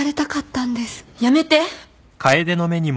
やめて。